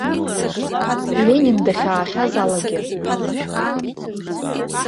Ленин дахьаахьаз алагьы.